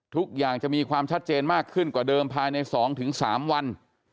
ทุกอย่างจะมีความชัดเจนมากขึ้นกว่าเดิมภายใน๒๓วัน